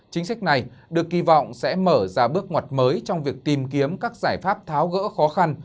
chính sách này được kỳ vọng sẽ mở ra bước ngoặt mới trong việc tìm kiếm các giải pháp tháo gỡ khó khăn